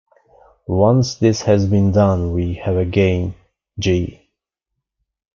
Once this has been done we have a game "G".